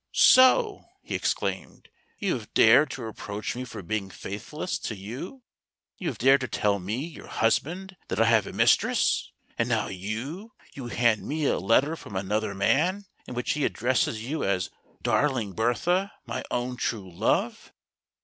"So!" he exclaimed. "You have dared to re¬ proach me for being faithless to you; you have dared to tell me, your husband, that I have a mis¬ tress ! And now you —you hand me a letter from another man, in which he addresses you as ' Darling Bertha, my own true love!